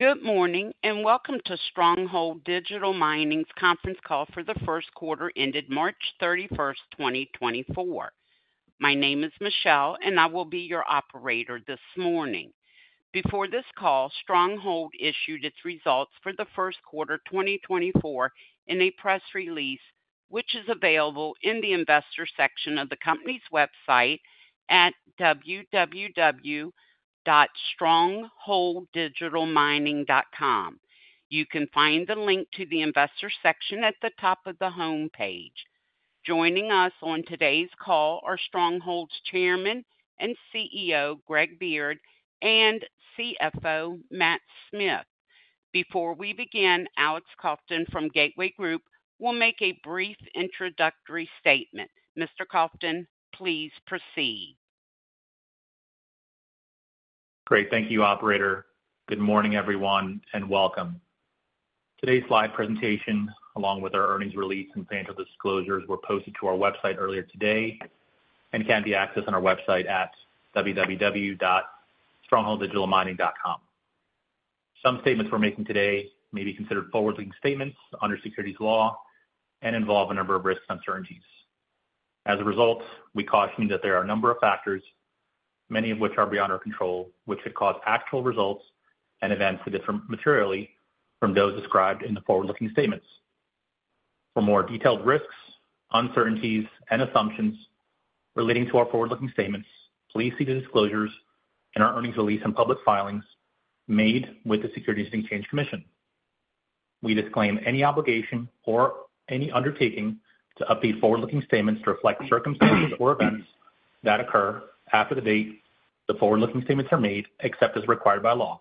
Good morning and welcome to Stronghold Digital Mining's conference call for the first quarter ended March 31st, 2024. My name is Michelle, and I will be your operator this morning. Before this call, Stronghold issued its results for the first quarter 2024 in a press release, which is available in the investor section of the company's website at www.strongholddigitalmining.com. You can find the link to the investor section at the top of the homepage. Joining us on today's call are Stronghold's Chairman and CEO Greg Beard and CFO Matt Smith. Before we begin, Alex Kovtun from Gateway Group will make a brief introductory statement. Mr. Kovtun, please proceed. Great, thank you, operator. Good morning, everyone, and welcome. Today's slide presentation, along with our earnings release and financial disclosures, were posted to our website earlier today and can be accessed on our website at www.strongholddigitalmining.com. Some statements we're making today may be considered forward-looking statements under securities law and involve a number of risks and uncertainties. As a result, we caution you that there are a number of factors, many of which are beyond our control, which could cause actual results and events that differ materially from those described in the forward-looking statements. For more detailed risks, uncertainties, and assumptions relating to our forward-looking statements, please see the disclosures and our earnings release and public filings made with the Securities and Exchange Commission. We disclaim any obligation or any undertaking to update forward-looking statements to reflect circumstances or events that occur after the date the forward-looking statements are made, except as required by law.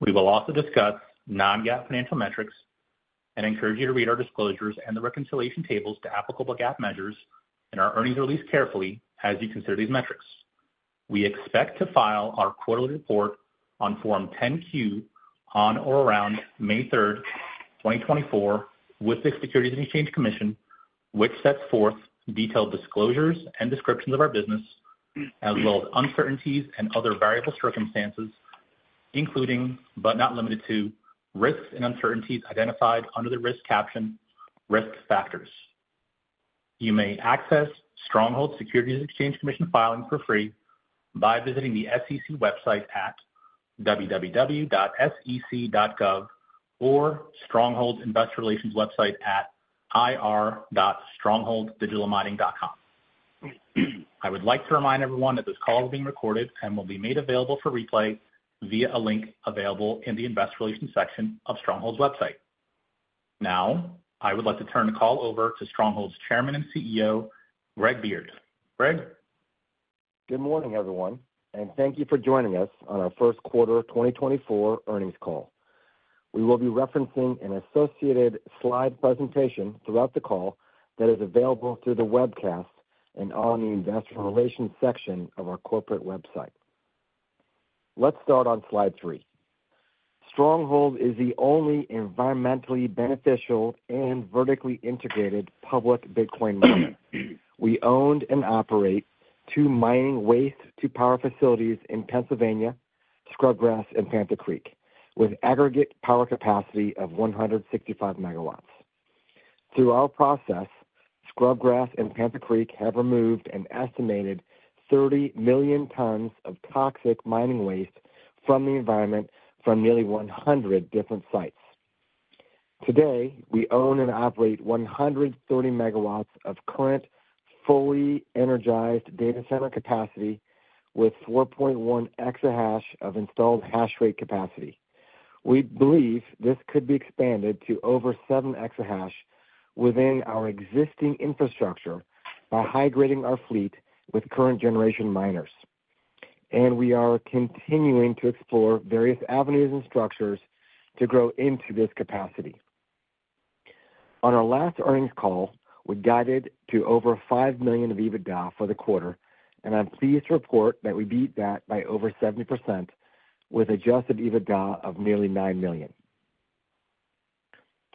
We will also discuss non-GAAP financial metrics and encourage you to read our disclosures and the reconciliation tables to applicable GAAP measures and our earnings release carefully as you consider these metrics. We expect to file our quarterly report on Form 10-Q on or around May 3rd, 2024, with the Securities and Exchange Commission, which sets forth detailed disclosures and descriptions of our business, as well as uncertainties and other variable circumstances, including but not limited to risks and uncertainties identified under the risk caption "Risk Factors." You may access Stronghold's Securities and Exchange Commission filings for free by visiting the SEC website at www.sec.gov or Stronghold's investor relations website at ir.strongholddigitalmining.com. I would like to remind everyone that this call is being recorded and will be made available for replay via a link available in the investor relations section of Stronghold's website. Now, I would like to turn the call over to Stronghold's Chairman and CEO Greg Beard. Greg? Good morning, everyone, and thank you for joining us on our first quarter 2024 earnings call. We will be referencing an associated slide presentation throughout the call that is available through the webcast and on the Investor Relations section of our corporate website. Let's start on slide three. Stronghold is the only environmentally beneficial and vertically integrated public Bitcoin miner. We owned and operate two mining waste-to-power facilities in Pennsylvania, Scrubgrass, and Panther Creek, with aggregate power capacity of 165 MW. Through our process, Scrubgrass and Panther Creek have removed an estimated 30 million tons of toxic mining waste from the environment from nearly 100 different sites. Today, we own and operate 130 MW of current fully energized data center capacity with 4.1 EH of installed hash rate capacity. We believe this could be expanded to over 7 EH within our existing infrastructure by high-grading our fleet with current-generation miners, and we are continuing to explore various avenues and structures to grow into this capacity. On our last earnings call, we guided to over $5 million of EBITDA for the quarter, and I'm pleased to report that we beat that by over 70% with adjusted EBITDA of nearly $9 million.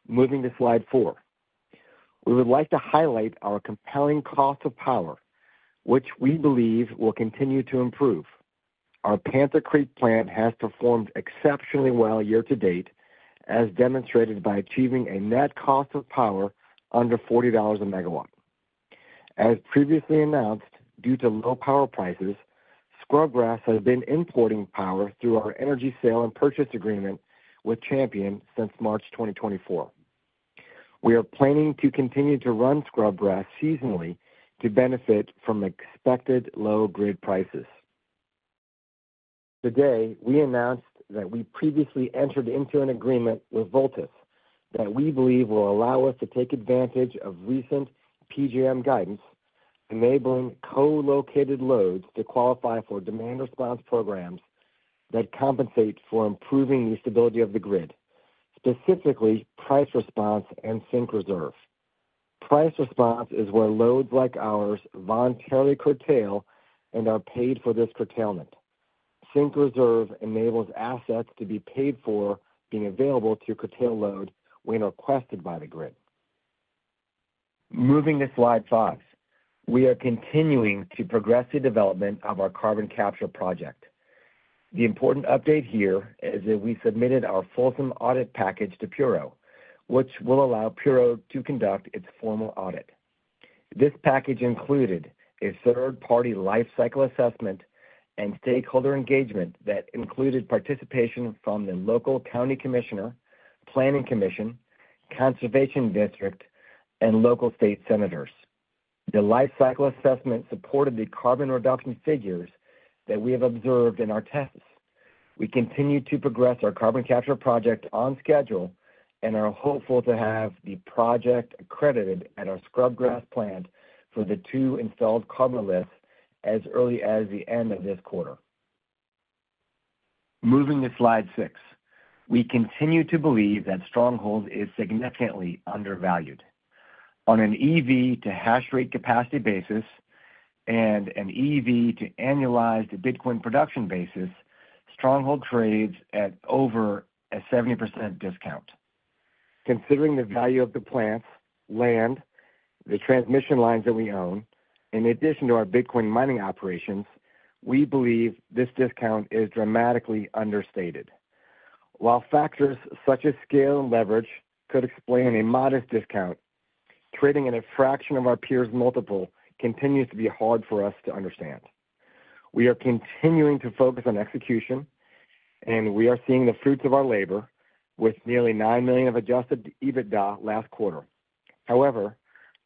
Moving to slide four, we would like to highlight our compelling cost of power, which we believe will continue to improve. Our Panther Creek plant has performed exceptionally well year to date, as demonstrated by achieving a net cost of power under $40 a megawatt. As previously announced, due to low power prices, Scrubgrass has been importing power through our energy sale and purchase agreement with Champion since March 2024. We are planning to continue to run Scrubgrass seasonally to benefit from expected low grid prices. Today, we announced that we previously entered into an agreement with Voltus that we believe will allow us to take advantage of recent PJM guidance enabling co-located loads to qualify for demand response programs that compensate for improving the stability of the grid, specifically price response and Sync reserve. Price response is where loads like ours voluntarily curtail and are paid for this curtailment. Sync reserve enables assets to be paid for being available to curtail load when requested by the grid. Moving to slide five, we are continuing to progress the development of our carbon capture project. The important update here is that we submitted our fulsome audit package to Puro, which will allow Puro to conduct its formal audit. This package included a third-party life cycle assessment and stakeholder engagement that included participation from the local county commissioner, planning commission, conservation district, and local state senators. The life cycle assessment supported the carbon reduction figures that we have observed in our tests. We continue to progress our carbon capture project on schedule and are hopeful to have the project accredited at our Scrubgrass plant for the two installed Carbofex as early as the end of this quarter. Moving to slide six, we continue to believe that Stronghold is significantly undervalued. On an EV-to-hash rate capacity basis and an EV-to-annualized Bitcoin production basis, Stronghold trades at over a 70% discount. Considering the value of the plants, land, the transmission lines that we own, in addition to our Bitcoin mining operations, we believe this discount is dramatically understated. While factors such as scale and leverage could explain a modest discount, trading at a fraction of our peers' multiple continues to be hard for us to understand. We are continuing to focus on execution, and we are seeing the fruits of our labor with nearly $9 million of adjusted EBITDA last quarter. However,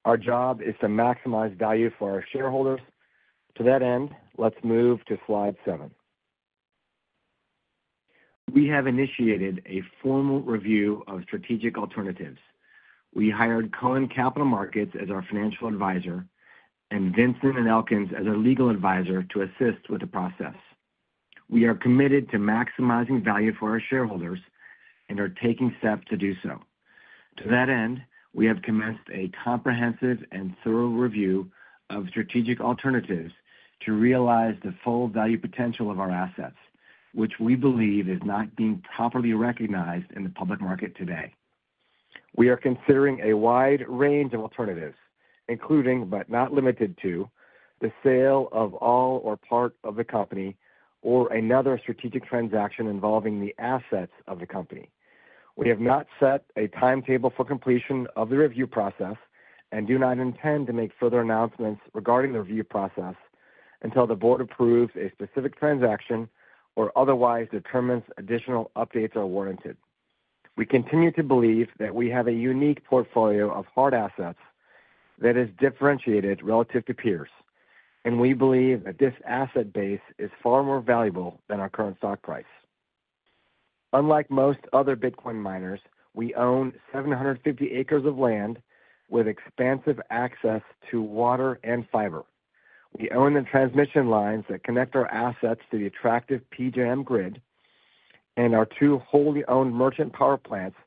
our job is to maximize value for our shareholders. To that end, let's move to slide seven. We have initiated a formal review of strategic alternatives. We hired Cohen & Company Capital Markets as our financial advisor and Vinson & Elkins as our legal advisor to assist with the process. We are committed to maximizing value for our shareholders and are taking steps to do so. To that end, we have commenced a comprehensive and thorough review of strategic alternatives to realize the full value potential of our assets, which we believe is not being properly recognized in the public market today. We are considering a wide range of alternatives, including but not limited to the sale of all or part of the company or another strategic transaction involving the assets of the company. We have not set a timetable for completion of the review process and do not intend to make further announcements regarding the review process until the board approves a specific transaction or otherwise determines additional updates are warranted. We continue to believe that we have a unique portfolio of hard assets that is differentiated relative to peers, and we believe that this asset base is far more valuable than our current stock price. Unlike most other Bitcoin miners, we own 750 acres of land with expansive access to water and fiber. We own the transmission lines that connect our assets to the attractive PJM grid and our two wholly owned merchant power plants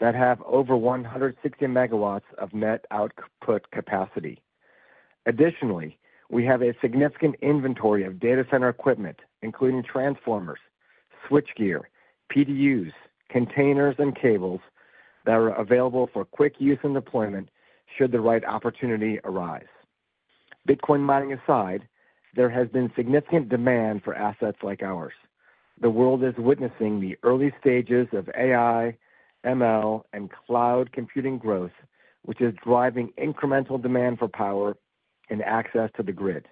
that have over 160 MW of net output capacity. Additionally, we have a significant inventory of data center equipment, including transformers, switchgear, PDUs, containers, and cables that are available for quick use and deployment should the right opportunity arise. Bitcoin mining aside, there has been significant demand for assets like ours. The world is witnessing the early stages of AI, ML, and cloud computing growth, which is driving incremental demand for power and access to the grid.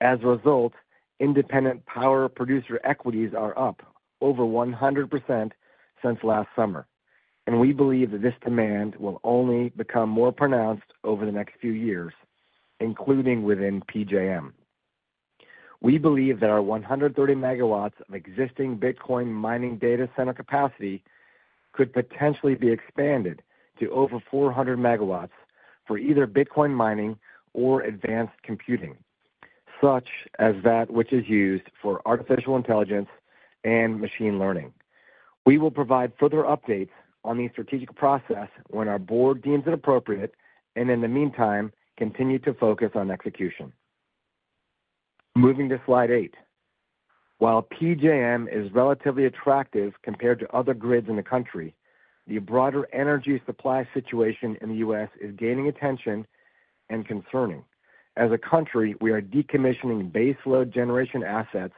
As a result, independent power producer equities are up over 100% since last summer, and we believe that this demand will only become more pronounced over the next few years, including within PJM. We believe that our 130 MW of existing Bitcoin mining data center capacity could potentially be expanded to over 400 MW for either Bitcoin mining or advanced computing, such as that which is used for artificial intelligence and machine learning. We will provide further updates on the strategic process when our board deems it appropriate and, in the meantime, continue to focus on execution. Moving to slide eight, while PJM is relatively attractive compared to other grids in the country, the broader energy supply situation in the U.S. is gaining attention and concerning. As a country, we are decommissioning base load generation assets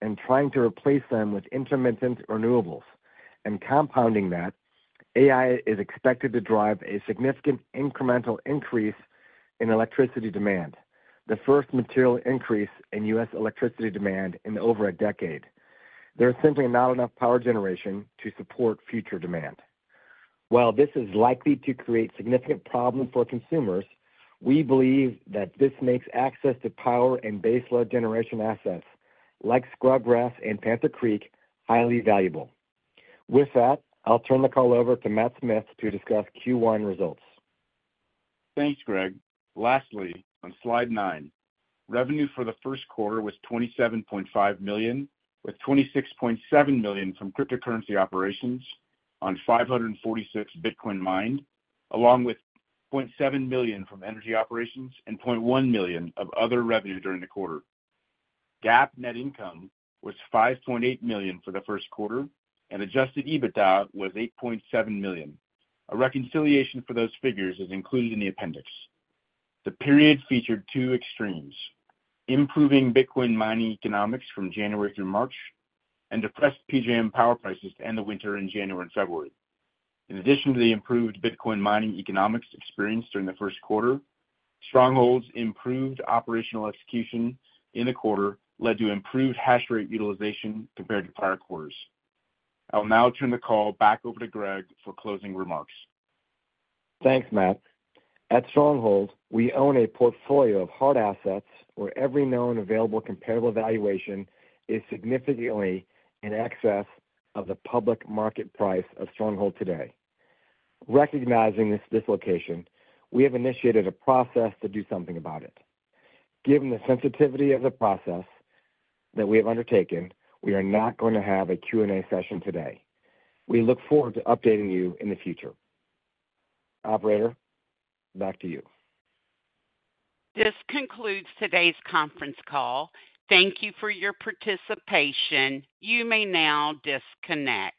and trying to replace them with intermittent renewables. Compounding that, AI is expected to drive a significant incremental increase in electricity demand, the first material increase in U.S. electricity demand in over a decade. There is simply not enough power generation to support future demand. While this is likely to create significant problems for consumers, we believe that this makes access to power and base load generation assets like Scrubgrass and Panther Creek highly valuable. With that, I'll turn the call over to Matt Smith to discuss Q1 results. Thanks, Greg. Lastly, on slide nine, revenue for the first quarter was $27.5 million, with $26.7 million from cryptocurrency operations on 546 Bitcoin mined, along with $0.7 million from energy operations and $0.1 million of other revenue during the quarter. GAAP net income was $5.8 million for the first quarter, and adjusted EBITDA was $8.7 million. A reconciliation for those figures is included in the appendix. The period featured two extremes: improving Bitcoin mining economics from January through March and depressed PJM power prices to end the winter in January and February. In addition to the improved Bitcoin mining economics experience during the first quarter, Stronghold's improved operational execution in the quarter led to improved hash rate utilization compared to prior quarters. I'll now turn the call back over to Greg for closing remarks. Thanks, Matt. At Stronghold, we own a portfolio of hard assets where every known available comparable valuation is significantly in excess of the public market price of Stronghold today. Recognizing this dislocation, we have initiated a process to do something about it. Given the sensitivity of the process that we have undertaken, we are not going to have a Q&A session today. We look forward to updating you in the future. Operator, back to you. This concludes today's conference call. Thank you for your participation. You may now disconnect.